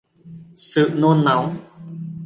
sự nôn nóng